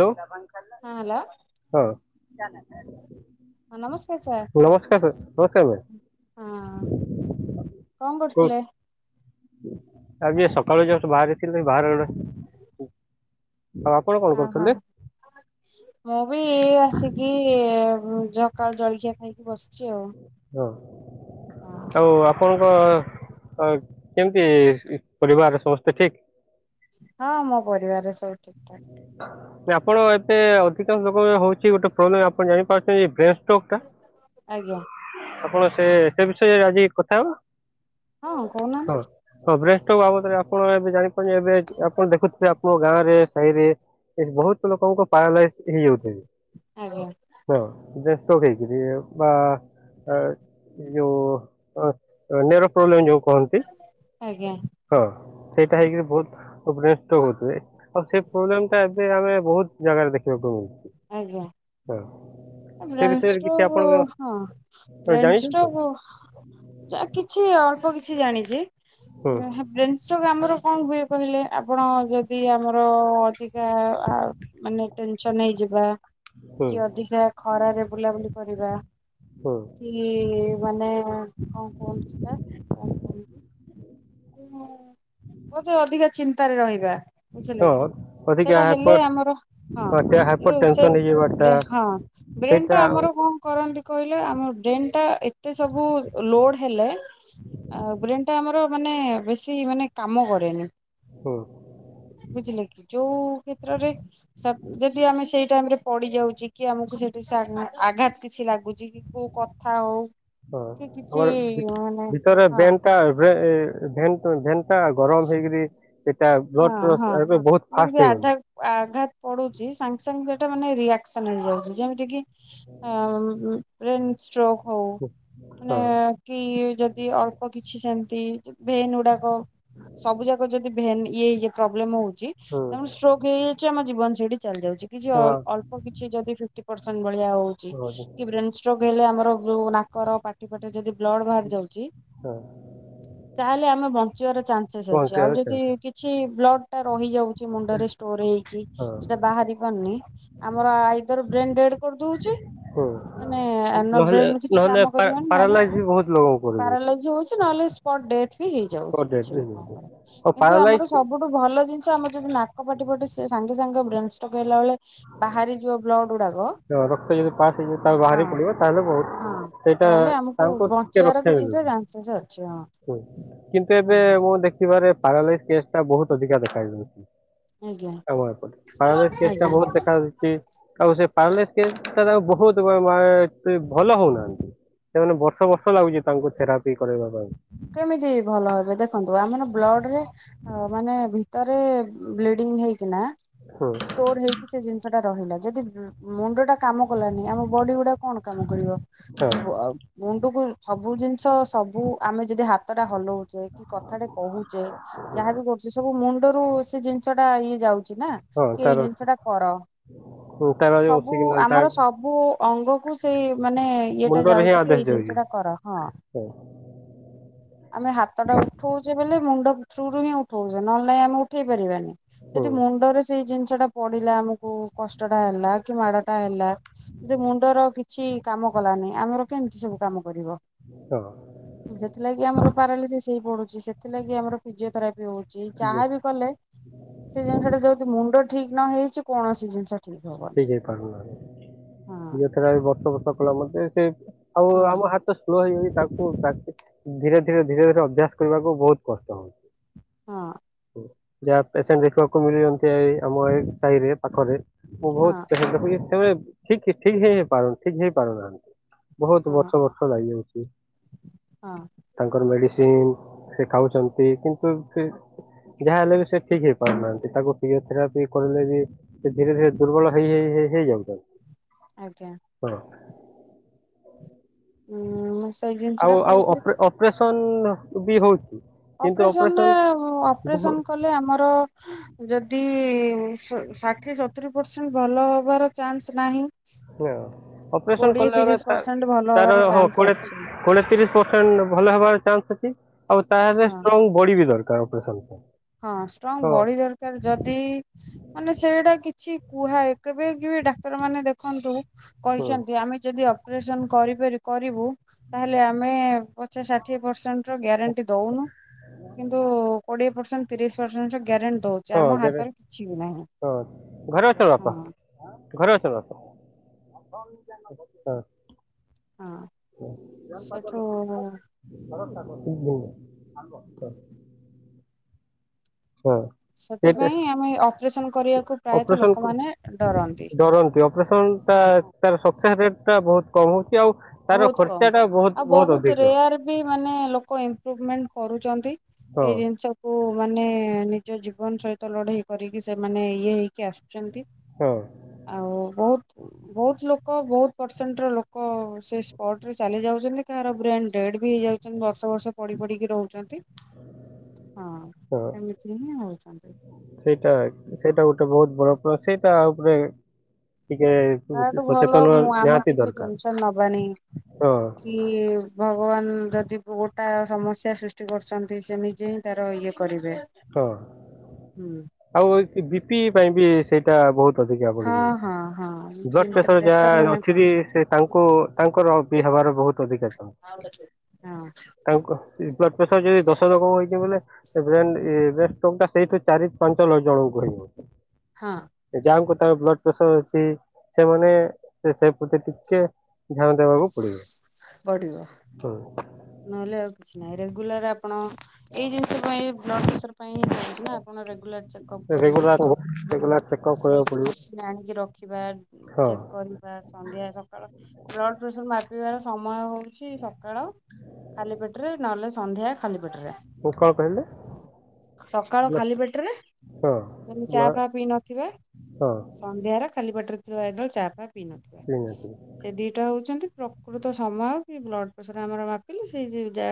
ଯୋଉ। ହଁ ହେଲା୍। ହଁ। ନମସ୍କାର ସାର୍ ନମସ୍କାର ମ୍ୟାମ୍ ହଁ। କଣ କହୁ କରୁଥିଲେ? ଆଜି ଏ ସକାଳୁ ଯଷ୍ଟ ବାହାରି ଥିଲି ବାହାର ରେ। [unintelligible] ଅପ୍। ଓହୋ ମୁଁ ବି ଆସିକି କି ଜକା ଜଳଖିଆ ଖାଇକି ବସିଛି ଆଉ। ହଁ। ହଁ। ଆଉ ଆପଣଙ୍କ କେମିତି ପରିବାର ସମସ୍ତେ ଠିକ? ହଁ ମୋ ପରିବାରରେ ସବୁ ଠିକ ଠାକ୍। ଆପଣ ଏତେ ଅଧିକାଂଶ ଲୋକ ହଉଛି ଗୋଟେ ପ୍ରୋବ୍ଲେମ୍ ଆପଣ ଜାଣିପାରୁଛନ୍ତି ବ୍ରେନ୍ ଷ୍ଟ୍ରୋକକ୍ ଟା ଆଜ୍ଞା। ଆପଣ ସେ ସେ ବିଷୟରେ ଆଜି କଥା ହେବ। ହଁ କହୁନାହାନ୍ତି। ହଁ ବ୍ରେଷ୍ଟ ବାବଦରେ ଆପଣ ଏବେ ଜାଣିପାରୁିବେ ଏବେ ଆପଣ ଦେଖୁଥିବେ ଆପଣଙ୍କ ଗାଁ ରେ ସାହିରେ। ଏ ବହୁତ ଲୋକଙ୍କୁ ପାରାଲାଇଜ ହେଇଯାଉଛି। ଆଜ୍ଞ। ହଉ ବେସ୍ତ ହେଇଯିବି ବା। ଆ ଯୋଉ ନେର ପ୍ରୋବ୍ଲେମ ଯୋଉ କହନ୍ତି। ଆଜ୍ଞା। ହଁ ସେଇଟା ହେଇକିରି ବହୁତ। [unintelligible] ହଉଥିବେ ଆଉ ସେ ପ୍ରୋବ୍ଲେମ ଟା ଏବେ ଆମେ ବହୁତ ଜାଗାରେ ଦେଖିବାକୁ ଆଜ୍ଞା। ହ ସେ ବ୍ରେନ ବିଷୟରେ କିଛି ଆପଣଙ୍କ ଷ୍ଟ୍ରୋକ୍ ହଁ ବ୍ରେନ୍ ଷ୍ଟୋକ କିଛି ଅଳ୍ପ କିଛି ଜାଣିଛି। ହୁଁ [unintelligible] ଷ୍ଟ୍ରୋକ ଆମର କଣ ହୁଏ କହିଲେ ଆପଣ ଯଦି ଆମର ଅଧିକା ମାନେ ଟେନସନ ନେଇଯି ବା ହୁଁ କି ଅଧିକା ଖରାରେ ବୁଲାବୁଲି କରିବା। ହୁଁ କି ମାନେ କଣ କୁହନ୍ତୁ ସେଟା କଣ କୁହନ୍ତୁ? ବୋଧେ ଅଧିକା ଚିନ୍ତାରେ ରହିବା। ବୁଝିଲ ହଁ ଅଧିକା ସେଇଟା ହେଲେ ହାଇପର ଆମର ହଁ। ଏ [unintelligible] ସେ ହେଇଯିବାଟା ବ୍ରେ ହଁ ବ୍ରେନ୍ ସେଇଟା ଟା ଆଉ ଆମର କଣ କରନ୍ତି କହିଲେ ଆମ ବ୍ରେନ୍ ଟା ଏତେ ସବୁ ଲୋଡ ହେଲେ ଆ ବ୍ରେନ୍ ଟା ଆମର ମାନେ ବେଶୀ ମାନେ କାମ କରେନି। ହଁ। ବୁଝିଲେ କି ଯୋଉ କ୍ଷେତ୍ରରେ ସବଜେକ୍ଟ ଯଦି ଆମେ ସେଇ ଟାଇମ ରେ ପଡି ଯାଉଛି କି ଆମକୁ ସେଠି ଆଘାତ କିଛି ଲାଗୁଛି କି କୋଉ କଥା ହଉ। ହଁ କି କିଛି ଆମର ମାନେ ଭିତରେ ହଁ ଭେନଟା ଭେନ୍ ଭେନ୍ ଟା ଗରମ ହେଇକିରି ଏଟା ହଁ ବ୍ଲଡ଼ ହଁ। ଏବେ ବହୁତ ଫାଷ୍ଟ ଯେମିତି ଆଧା ହେଇଯାଉଛି। ଆଘାତ ପଡୁଛି ସାଙ୍ଗେ ସାଙ୍ଗେ ସେଟା ମାନେ ରିଆକ୍ସନ ହେଇଯାଉଛି ଯେମିତି କି ଆ ବ୍ରେନଷ୍ଟ୍ରୋକ୍ ହଉ ମାନେ ହଁ କି ଯଦି ଅଳ୍ପ କିଛି ସେମିତି ଭେନ୍ ଗୁଡାକ ସବୁ ଯାକ ଯଦି ଭେନ୍ ଇଏଇ ପ୍ରୋବ୍ଲେମ ହଉଛି ହୁଁ ତମର ଷ୍ଟ୍ରୋକ୍ ହେଇଯାଉଛି ଆମ ଜୀବନ ସେଇଠି ଚାଲିଯାଉଛି। କିଛି ଅଳ୍ ହଁ ଅଳ୍ପ କିଛି ଯଦି ଫିପଟି ପରସେନଟ୍ ଭଳିଆ ହଉଛି। ହଁ ଯୋଗେଇଲେ ଆମର ଯୋଉ ନାକର ପାଟି ପାଟିରେ ଯଦି ବ୍ଲଡ ବାହାରି ଯାଉଛି। ତାହେଲେ ଆମେ ବଞ୍ଚିବାର ଚାନ୍ସେସ୍ ଅଛି ଆଉ ପହଞ୍ଚେଇବାର ଯଦି କିଛି ବ୍ଲଡ ଟା ରହିଯାଉଛି ଚାନ୍ସ ମୁଣ୍ଡରେ ଷ୍ଟୋର ହେଇକି ହଁ ସେଟା ବାହାରି ପାରୁନି। ଆମର ଆଇଦର ବ୍ରେନ ଡେଡ୍ କରିଦଉଛି ହୁଁ ମାନେ [unintelligible] ନହେଲେ ବ୍ରେନ କିଛି ନହେଲେ କାମ ପା କରିବନି ନହେଲେ ପାରାଲାଇଜ ବି ବହୁତ ଲୋକଙ୍କୁ କରିଦଉଛି ପାରାଲାଇସ୍ ହଉ କିନ୍ତୁ ନହେଲେ ସ୍ପଟ୍ ଡେଥ୍ ବି ହଁ ହେଇଯାଉଛି କିଛି ବି ହେଇଯାଉଛି। ଲୋକଙ୍କର ଆଉ କିନ୍ତୁ ପାରାଲାଇଜ ଆମର ସବୁଠୁ ଭଲ ଜିନିଷ ଆମର ଯଦି ନାକ ପାଟି ପଟେ ସାଙ୍ଗେ ସାଙ୍ଗ ବ୍ରେନ ଷ୍ଟକ୍ ହେଲା ବେଳେ ବାହାରି ଯିବ ବ୍ଲଡ ଗୁଡାକ ରକ୍ତ ଯଦି ପାସ୍ ହେଇଯିବ ତାହେ ହଁ ବାହାରି ପଡିବ ତାହେଲେ ବହୁତ ହଁ ସେଇଟା ତାହେଲେ ଆମକୁ ତାଙ୍କୁ ଟିକେ ବଞ୍ଚିବାର ରକ୍ଷା ମିଳୁଛି କିଛିଟା ଚାନ୍ସେସ୍ ଅଛି ହଁ। କିନ୍ତୁ ଏବେ ହଁ ମୁଁ ଦେଖିବାରେ ପାରାଲାଇସ୍ କେସ୍ ଟା ବହୁତ ଅଧିକା ଆଜ୍ଞା ଦେଖାଯାଉଛି। [unintelligible] ପରାଲାଇସ୍ କେସଟା ବହୁତ ଆଜ୍ଞା। ଦେଖାଦେଇଛି ଆଉ ସେ ପରାଲାଇସ୍ କେଶ୍ ରେ ବହୁତ ଭଲ ହଉନାହାନ୍ତି। ସେମାନେ ବର୍ଷ ବର୍ଷ ଲାଗୁଛି ତାଙ୍କୁ ଥେରାପି କରିବା ପାଇଁ। କେମିତି ଭଲ ହେବେ ଦେଖନ୍ତୁ ଆମର ବ୍ଲଡ ରେ ମାନେ ଭିତରେ ବ୍ଲିଡିଙ୍ଗ ହେଇକିନା ହୁଁ ଷ୍ଟୋର ହେଇ ସେ ଜିନିଷ ଟା ରହିଲା ଯଦି ମୁଣ୍ଡ ଟା କାମ କଲାନି ଆମ ବଡି ଗୁଡା କଣ କାମ କରିବ। ହଁ [unintelligible] ମୁଣ୍ଡକୁ ସବୁ ଜିନିଷ ସବୁ ଆମେ ଯଦି ହାତ କ ଟା ହଲଉଛେ କି କଥାଟେ କହୁଛେ ଯାହାବି ଗୋଟେ ସେ ସବୁ ମୁଣ୍ଡରୁ ସେ ଜିନିଷ ଟା ଇଏ ଯାଉଛି ନା। ହଁ କି ତାର ଏଇ ଜିନିଷ ଟା କର ହୁଁ, ତାର ଯୋଉ ସବୁ ସିଗ୍ନାଲ ତା ଆମର ସବୁ ସବୁ ଅଙ୍ଗ କ ସେଇ ମାନେ ଇଏଟା ଯାଉଛି କି ଏଇ ଜିନିଷ ଟା କର ହଁ। ସେୟା ଆମେ ହାତ ଟା ଉଠଉଛେ ବଲେ ମୁଣ୍ଡ ଥ୍ରୁରୁ ହିଁ ଉଠଉଛେ ନହେଲେଁ ଆମେ ଉଠେଇ ପାରିବାନି। ହୁଁ ଯଦି ମୁଣ୍ଡରେ ସେଇ ଜିନିଷ ଟା ପଡିଲା ଆମକୁ କଷ୍ଟଟା ହେଲା କି ମାଡ ଟା ହେଲା ଯ ମୁଣ୍ଡର କିଛି କାମ କଲାନି ଆମର କେମିତି ସବୁ କାମ କରିବ। ସୁଣ ଥିଲାଗି ଆମର ପାରଲିସିସ୍ ହେଇ ପଡୁଛି ସେଥିଲାଗି ଆମର ଫିଜିଓଥେରାପି ହଉଛି ଠିକ୍ ଅଛି ଯାହାବି କଲେ ସେ ଜିନିଷ ଟା ଯୋଉି ମୁଣ୍ଡ ଠିକ ନ ହେଇଛି କୌଣସି ଜିନିଷ ଠିକ ହେଇ ପାରୁ ହଁ ଦେଖିଲା ବେଳକୁ ବର୍ଷ ବର୍ଷ କଲା ମେ ସେ ଆଉ ହଁ। ଆମ ହାତ ସ୍ଲୋ ହେଇଯଛି ତାକୁ ଧୀରେ- ଧୀରେ- ଧୀରେ- ଧୀରେ ଅଭ୍ୟାସ କରିବାକୁ ବହୁତ କଷ୍ଟ ହଉଛି। ହଁ। ଯାହା ପେସେଣ୍ଟ ଦେଖିବାକୁ ମିଳୁ ଏଇ ଆମ ଏଇ ସାହିରେ ପାଖରେ ମୁଁ ହଁ ବହୁତ ଠିକ ଠିକ ହେଇ ପାରୁନ ଠିକ ହେଇ ପାରୁନାହାନ୍ତି। ବହୁତ ହଁ ବର୍ଷ ବର୍ଷ ଲାଗିଯାଉଛି। ହଁ। ତାଙ୍କର ମେଡିସିନ ସେ ଖାଉଛନ୍ତି କିନ୍ତୁ ସେ ଯାହା ହେଲେ ବି ସେ ଠିକ ହେଇ ପାରୁନାହାନ୍ତି ତାକୁ ଫିଜିଓଥେରାପି କରଲେ ବି ସେ ଧୀରେ ଧୀରେ ଦୁର୍ବଳ ହେଇ ହେଇ ହେଇଯାଉ ତ ଆଜ୍ଞା। ହଁ। ଉଁ ମୁଁ ସେଇ ଜିନିଷ ଆଉ ଟା ଆଉ କହୁଥିଲି କି ଅପ୍ରେ ଅପରେସନ ବି ହଉଛି। ଅପରେସନ ରେ ବହୁ ଅପରେସନ କଲେ ଆମର ଯଦି ଷାଠିଏ ସତୁରି ପରସେଣ୍ଟ ଭଲ ହବାର ଚାନ୍ସ ନାହିଁ। ହଁ ଅପରେସନ କୋଡିଏ କଲା ତିରିଶ ପରେଳେ ତା ପରସେଣ୍ଟ ଭଲ ତାର ହବାର ହଁ ଚାନ୍ସ କୋଡେ ଅଛି କୋଡ଼ିଏ ତିରିଶ ପରସେଣ୍ଟ ଭଲ ହେବାର ଚାନ୍ସ ଅଛି। ଆଉ ତାହେଲେ ହଁ। ଷ୍ଟ୍ରଙ୍ଗ ପଢିବି ଦରକାର ଅପରେସନ ପାଇଁ। ହଁ ଷ୍ଟ୍ରଙ୍ଗ ହଁ ବଡି ଦରକାର ଯଦି ମାନେ ସେଇଟା କିଛି କୁହାଏ କେବେ କେବେ ଡାକ୍ତରମାନେ ଦେଖନ୍ତୁ ହୁଁ, କହିଛନ୍ତି ଆମେ ଯଦି ଅପରେସନ କରିପ କରିବୁ। ତାହେଲେ ଆମେ ପଚାଶ ଷାଠିଏ ପରସେଣ୍ଟ ର ଗ୍ୟାରେଣ୍ଟି ଦଉନୁ। କିନ୍ତୁ କୋଡିଏ ପରସେଣ୍ଟ ତିରିଶ ପରସେଣ୍ଟ ଗ୍ୟାରେଣ୍ଟ ଦଉ ହଁ ଜରେ ହଁ ଘରେ ଅଛଇ ହଁ ବାପା। ଘରେ ଅଛ ବାପା। ହଁ। ସେଠୁ [inaudible] ହଁ। ସେଟା ସେଥିପାଇଁ ଆମେ ଅପରେସନ କରିବାକୁ ପ୍ରାୟତଃ ଲୋକମାନେ ଡରନ୍ତି ଅପରେସନ ଡରନ୍ତି ଅପରେସନ ତା ହଁ ତାର ସକ୍ସେସ୍ ରେଟ୍ଟା ବହୁତ କମ୍ ହେଉଛି। ଆଉ ତାର ବହୁତ କମ୍। ଖର୍ଚ୍ଚାଟା ଆଉ ବହୁତ ବହୁତ ଅଧିକ। ରେୟାର ବି ମାନେ ଲୋକ ଏମ୍ପୃଭମେଣ୍ଟ କରୁଛନ୍ତି ହଁ ଏଇ ଜିନିଷ କୁ ମାନେ ନିଜ ଜୀବନ ସହିତ ଲଢେଇ କରିକି ସେମାନେ ଇଏ ହେଇକି ଆସ ହଁ ଆଉ ବହୁତ ବହୁତ ଲୋକ ବହୁତ ପରସେଣ୍ଟ ର ଲୋକ ସେ ସ୍ପଟ ରେ ଚାଲି ଯାଉଛନ୍ତି। କାହାର ବ୍ରେନ୍ ଡେଡ୍ ବି ହେଇଯାଉଛନ୍ତି। ବର୍ଷ ବର୍ଷ ପଡି ପଡିକି ରହୁଛନ୍ତି। ହଁ ହଁ ଏମିତି ହିଁ ହଉଛନ୍ତି। ସେଇଟା ସେଇଟା ଗୋଟେ ବହୁତ ବଡ ସେଇଟା ଉପରେ ଟିକେ ତାଠୁ ଭଲ ସଚେତନ ଆମେ ନିହାତି କିଛି ଦରକାର ଟେନସନ ନବାନି। ହଁ କି ଭଗବାନ ଯଦି ଗୋଟା ସମସ୍ୟା ସୃଷ୍ଟି କରୁଛନ୍ତି। ସେ ନିଜେ ହିଁ ତାର ଇଏ କରିବେ। ହଁ ଆଉ [unintelligible] ବିପି ପାଇଁ ବି ସେଇ ଟା ବହୁତ୍ ଅଧିକା ହଁ ବଢିଯାଉଚି, ହଁ ହଁ ବ୍ଲଡ୍ କିନ୍ତୁ ପ୍ରେସର ଯାହା ମାନେ ଅଛି ବି କଣ? ସେ ତାଙ୍କୁ ତାଙ୍କର ବି ହେବାର ବହୁତ ଅଧିକା ହଁ। ତାଙ୍କ ବ୍ଲଡ୍ ପ୍ରେସର ଯଦି ଦଶ ରକମ ହେଇକି ବୋଲେ ବ୍ରେନ୍ [unintelligible] ସେଇଠୁ ଚାରି ପାଞ୍ଚ ଲ ଜଣଙ୍କୁ କହିବ। ହଁ। ଯାହାଙ୍କୁ ତାଙ୍କର ବ୍ଲଡ୍ ପ୍ରେସର ଅଛି ସେମାନେ ସେ ପ୍ରତି ଟିକେ ଧ୍ୟାନ ଦେବାକୁ ପଡିବ ବଢିବ ତ ନହେଲେ ଆଉ କିଛି ନାହିଁ, ରେଗୁଲାର୍ ଆପଣ ଏଇ ଜିନିଷ ପାଇଁ ବ୍ଲଡ୍ ପ୍ରେସର୍ ପାଇଁ [unintelligible] ନା ଆପଣ ରେଗୁଲାର୍ ଚେକ୍ ଅପ୍ ରେଗୁଲାର କରିବେ। ରେଗୁଲାର ଚେକଅପ୍ ସେଇ କରିବାକୁ ପଡିବ ମସିନ୍ ଆଣିକି ରଖିବା ହଁ ଚେକ୍ କରି ବା ସନ୍ଧ୍ୟା ସକାଳ ବ୍ଲଡ଼୍ ପ୍ରେସର୍ ମାପିବାର ସମୟ ହେଉଚି ସକାଳ ଖାଲି ପେଟେରେ ନହେଲେ ସନ୍ଧ୍ୟା ଖାଲି ପେଟେରେ। [unintelligible] କହିଲେ? ସକାଳ ଖାଲି ପେଟେରେ ମାନେ ଚା ହଁ ଫା ପିଇ ନଥିବେ। ହଁ ସନ୍ଧ୍ୟାରେ ଖାଲି ପେଟେରେ ଥିବା ଯେତେବେଳେ ଚା ଫା ପିଇ ନଥିବେ। କିଣିଛି ସେ ଦିଇଟା ହଉଛନ୍ତି ପ୍ରକୃତ ସମୟ କି ବ୍ଲଡ୍ ପ୍ରେସର୍ ଆମର ମାପିଲେ ସେଇ ଯା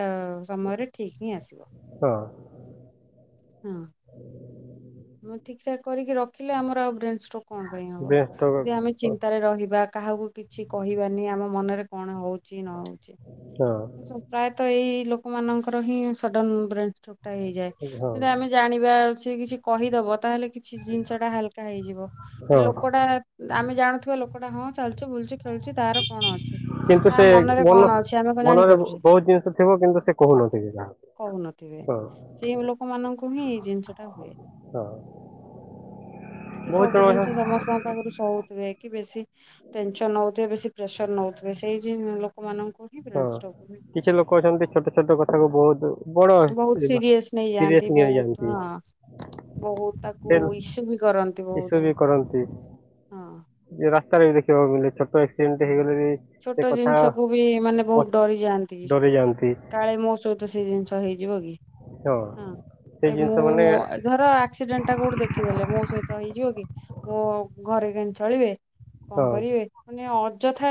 ସମୟରେ ଠିକ୍ ହିଁ ଆସିବ। ହଁ। ହଁ ଆମେ ଠିକ୍ ଠାକ୍ କରିକି ରଖିଲେ ଆମର ଆଉ ବ୍ରେନଷ୍ଟ୍ରୋକ୍ କଣ ପାଇଁ ହବ, ବେଷ୍ଟ ହଁ ଯେ ଆମେ ଚିନ୍ତାରେ ରହିବା କାହାକୁ କିଛି କହିବାନି ଆମ ମନରେ କଣ ହଉ ଚି ନ ହଉଚି। ହଁ। ପ୍ରାୟତଃ ଏଇ ଲୋକମାନଙ୍କର ହିଁ ସଡନ୍ ବ୍ରେନଷ୍ଟକ୍ ଟା ହେଇଯାଏ ହଁ କିନ୍ତୁ ଆମେ ଜାଣିବା ସେ କିଛି କହିଦବ ତାହେଲେ କିଛି ଜିନିଷ ଟା ହାଲକା ହେଇଯିବ, ହଁ ଲୋକଟା ଆମେ ଜାଣୁଥିବା ଲୋକଟା ହଁ ଚାଲୁଚି, ବୁଲୁଚି, ଖେଳୁଚି ତାର କଣ ଅଛି ତା ମନରେ କଣ ଅଛି ଆମେ କଣ ଜାଣି ବହୁତ୍ ଜିନିଷ ଥିବ କିନ୍ତୁ ସେ କହୁନଥିବେ କାହାକୁ। କହୁନଥିବେ ହଁ ସେଇ ଲୋକମାନଙ୍କୁ ହିଁ ଏଇ ଜିନିଷଟା ହୁଏ। ହଁ। କି ବହୁତ ସବୁ ଜଣ ଜିନିଷ ଅଛନ୍ତି ସମସ୍ତଙ୍କ ପାଖରୁ ସହୁଥିବେ କି ବେଶୀ ଟେନସନ୍ ନଉଥିବେ ବେଶୀ ପ୍ରେସର୍ ନଉଥିବେ, ସେଇ ଲୋକମାନଙ୍କୁ ହିଁ ବ୍ରେନ ହଁ ଷ୍ଟ୍ରୋକ ହୁଏ। କିଛି ଲୋକ ଅଛନ୍ତି ଛୋଟ-ଛୋଟ କଥାକୁ ବହୁତ୍ ବହୁତ୍ ସିରିଏସ୍ ନେଇଯାଆନ୍ତି ବହୁତ୍ ନିଆଯାଆନ୍ତି ହଁ। ବହୁତ୍ ତାକୁ ସେ ଇସ୍ୟୁ ବି କରନ୍ତି ଇସୁ ବହୁତୁ ବି କରନ୍ତି ହଁ। ରାସ୍ତାରେ ବି ଦେଖିବାକୁ ମିଳେ ଛୋଟ ଆକ୍ସିଡେଣ୍ଟ ହଁ। ହେଇଗଲେ ବି ଛୋଟ ସେ କଥା ଜିନିଷକୁ ବି ମାନେ ବହୁତ୍ ବହୁତ ଡରି ଯାଆନ୍ତି ଡରି ଯାଆନ୍ତି କାଳେ ମୋ ସହିତ ସେ ଜିନିଷ ହେଇଯିବ କି। ହଁ [unintelligible] ସେଇ ଜିନିଷ ମାନେ ମୁଁ। ଧର ଆକ୍ସିଡେଣ୍ଟ ଟା କୋଉଠି ଦେଖିଦେଲେ ମୋ ସହିତ ହେଇଯିବ କି, ମୋ ଘରେ କେନ୍ତି ଚଳିବେ। କଣ ହଁ କରିବେ ମାନେ ଅଯଥା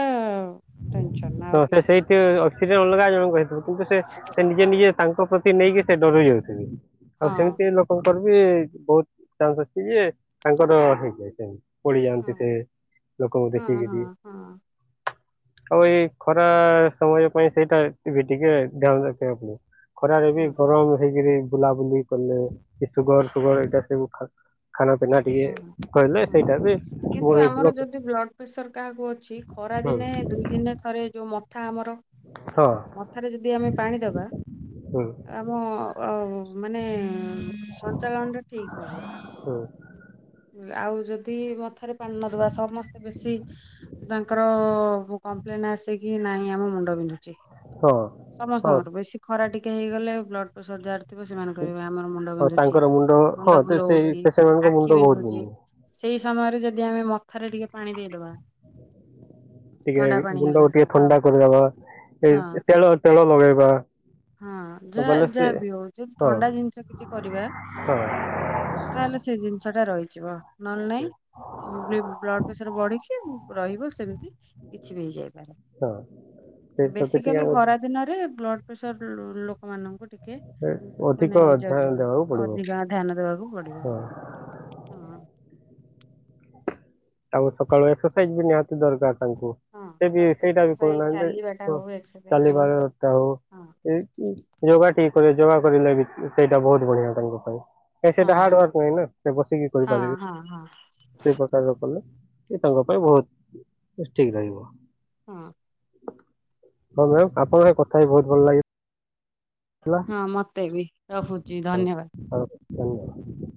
ଟେନସନ୍ ତ ଆଉ ସେ କିଛି ନୁହଁ ସେଇଥି [unintelligible] ଅଲଗା ଜଣଙ୍କୁ ହେଇିଥିବ କିନ୍ତୁ ସେ-ସେ ନିଜେ-ନିଜେ ତାଙ୍କ ପ୍ରତି ନେଇକି ସେ ଡରି ଯାଉଥିବେ, ଆଉ ହଁ ସିମ୍ତି ଲୋକ କଙ୍କର ବି ବହୁତ୍ ଚାନ୍ସ ଅଛି ଯେ ତାଙ୍କର ହେଇଯାଏ ସେମ୍ତି ହଁ ପଡିଯାଆନ୍ତି ସେ ଲୋକଙ୍କୁ ହଁ ହଁ ଦେଖିକିରି ହଁ ଆଉ ଏ ଖରା ସମୟ ପାଇଁ ସେଇଟା ବି ଟିକେ ଧ୍ୟାନ ରଖିବାକୁ ପଡ଼ିବ। ଖରାରେ ବି ହଁ ଗରମ୍ ହେଇକିରି ବୁଲାବୁଲି କଲେ କି ସୁଗର୍ ସୁଗର୍ ଏଇଟା ସବୁ ଖା ଖାନା ପିନା ହଁ। ଟିକେ କଲେ ସେଇଟା ବି [unintelligible] ବ୍ଲଡ୍ ପ୍ରେସର୍ କାହାକୁ ଅଛି ଖରା ହଁ ଦିନେ ଦୁଇ ଦିନେ ଥରେ ଯୋଉ ମଥା ଆମର ହଁ ମଥାରେ ଯଦି ଆମେ ପାଣି ଦେବା। ହୁଁ ଆମ ମାନେ ସଞ୍ଚାଳନ ଟା ଠିକ ହବ। ହଁ। ଆଉ ଯଦି ମଥାରେ ପାଣି ନଦବା ସମସ୍ତେ ବେଶୀ। ତାଙ୍କର କମ୍ପ୍ଲେନ ଆସେ କି ନାହିଁ ଆମ ମୁଣ୍ଡ ବିିନ୍ଧୁ ଚି ହଁ ହଁ ସମସ୍ତଙ୍କର ବେଶୀ ଖରା ଟିକେ ହେଇଗଲେ ବ୍ଲଡ ପ୍ରେସର ଯାହାର ଥିବ ସେମାନେ କହିବେ ଆମର ମୁଣ୍ଡ ହ ବିନ୍ଧୁଛି। ତାଙ୍କର ମୁଣ୍ଡ ହଁ ହଁ ସେ ସେଇ ବୁଲଉଛି ପେସେ ମାନଙ୍କ ଆଖି ମୁଣ୍ଡ ବହୁତ ବିନ୍ଧୁଛି। ବିଧୁ ସେଇ ସମୟରେ ଯଦି ଆମେ ମଥାରେ ଟିକେ ପାଣି ଦେଇଦବା। ଟିକେ ଥଣ୍ଡା ପାଣି ହେଲା ଗୁଣ୍ଡକୁ ଟିକେ ହଁ ଥଣ୍ଡା କରିଦବା ଏ ହଁ ତେଲ ତେଳ ଲଗେଇବା। ହଁ ଯା ବୋଲେ ସେ ଯାହା ବି ହଉ ଯଦି ହଁ ଥଣ୍ଡା ଜିନିଷ କିଛି କରିବା। ହଁ ତାହେଲେ ସେ ଜିନିଷ ଟା ରହିଯିବ ନହେଲେ ନାଇଁ ବ୍ଲଡ଼ ପ୍ରେସର ବଢିକି ରହିବ ସେମତି। କିଛି ବି ହେଇଯାଇପାରେ ହଁ ସେ ପ୍ରତି ଟିକେ ବେସିକାଲି ଆମ ଖରାରେ ଦିନରେ ବ୍ଲଡ୍ ପ୍ରେସର ଲୋକମାନଙ୍କୁ ଟିକେ କେ ଏ ଅଧିକ ମାନେ ଧ୍ୟାନ ଯଗିବେ ଦେବାକୁ ପଡିବ ଅଧିକା ଧ୍ୟାନ ଦବାକୁ ପଡିବ। ହଁ ହଁ। ତାଙ୍କୁ ସକାଳୁ ଏକ୍ସରସାଇଜ ବି ନିହାତି ଦରକାର ତାଙ୍କୁ। ହଁ ସେ ବି ସବୁ ସେଇଟା ବି ଏକ୍ସରସାଇଜ କରୁନାହାନ୍ତି ଚାଲିବାଟା ହ ହଉ ଏକ୍ସରସାଇଜ ଚାଲିବାରଟା ହଉ ଏ ଉୁଁ ଯୋଗା ଟିକେ କରିବେ ଯୋଗା କରିଲେ ବି ସେଇଟା ବହୁତ ବଢିଆ ତାଙ୍କ ପାଇଁ। ସେ ହଁ ସେଇଟା ହାର୍ଡ ୱାର୍କ ନାହିଁ ନା ସେ ବସିକି ହଁ କରିପାରିବେ ହଁ ହଁ ହଁ ସେଇ ପ୍ରକାର ଲୋକ ନା। ସେ ତାଙ୍କ ପାଇଁ ବହୁତ ଠିକ ରହିବ। ହଁ। ହଁ ମ୍ୟାମ୍ ଆପଣଙ୍କ କଥା ବି ବହୁତ ଭଲ ଲାଗିଲା। ହେଲା। ହଁ ମତେ ବି। ରହୁଛି ହଉ ଧନ୍ୟବାଦ। ହଉ ଧନ୍ୟବାଦ।